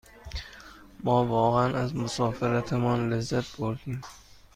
ما واقعاً از مسافرتمان لذت بردیم.